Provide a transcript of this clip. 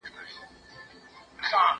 زه مخکي شګه پاکه کړې وه،